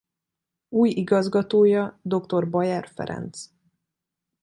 Új igazgatója dr. Bayer Ferenc.